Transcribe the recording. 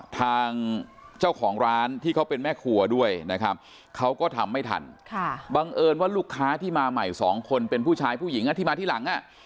ทางเจ้าของร้านที่เขาเป็นแม่ครัวด้วยนะครับเขาก็ทำไม่ทันบังเอิญว่าลูกค้าที่มาใหม่สองคนเป็นผู้ชายผู้หญิงที่มาที่หลัง